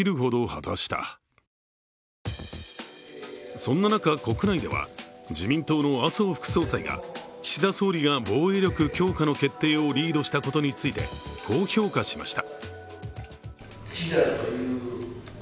そんな中、国内では自民党の麻生副総裁が岸田総理が防衛力強化の決定をリードしたことについてこう評価しました。